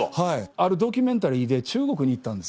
あるドキュメンタリーで中国に行ったんですよ。